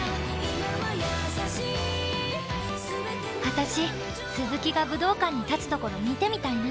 私すずきが武道館に立つところ見てみたいな。